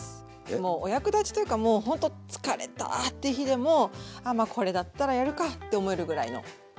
もうお役立ちというかもうほんと疲れたって日でもあまあこれだったらやるかって思えるぐらいの簡単なものを。